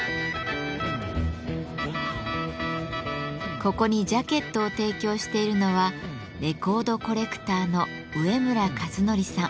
ここにジャケットを提供しているのはレコードコレクターの植村和紀さん。